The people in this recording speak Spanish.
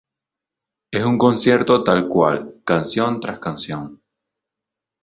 Es un concierto tal cual, canción tras canción.